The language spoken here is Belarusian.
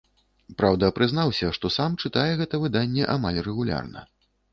Праўда, прызнаўся, што сам чытае гэта выданне амаль рэгулярна.